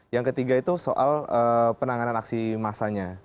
yang ketiga itu soal penanganan aksi massanya